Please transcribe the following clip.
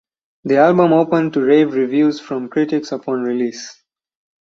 The album opened to rave reviews from critics upon release.